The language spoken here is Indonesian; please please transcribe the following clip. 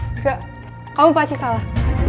tidak kamu pasti salah